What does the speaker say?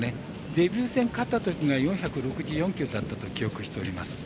デビュー戦勝ったときが４６４ｋｇだったと記憶しております。